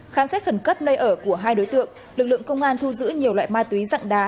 khám xét khẩn cấp nơi ở của hai đối tượng lực lượng công an thu giữ nhiều loại ma túy dạng đá